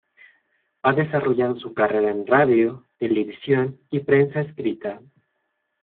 Ha desarrollado su carrera en radio, televisión y prensa escrita.